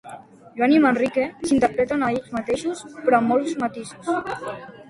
Joan i Manrique s'interpreten a ells mateixos, però amb molts matisos.